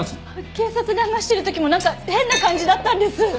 警察で話してる時もなんか変な感じだったんです。